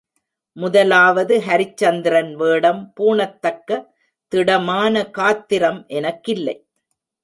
முதலாவது ஹரிச்சந்திரன் வேடம் பூணத்தக்க திடமான காத்திரம் எனக்கில்லை.